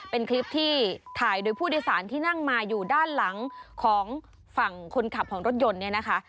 เป็นคลิปที่ถ่ายโดยผู้โดยสารที่นั่งมาอยู่ด้านหลังของฝั่งคนขับของรถยนต์เนี่ยนะคะ